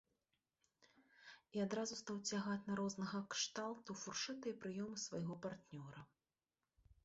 І адразу стаў цягаць на рознага кшталту фуршэты і прыёмы свайго партнёра.